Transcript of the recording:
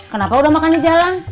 kenapa udah makan di jalan